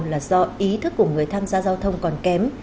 là do ý thức của người tham gia giao thông còn kém